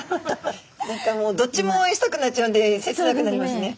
何かもうどっちもおうえんしたくなっちゃうんで切なくなりますね。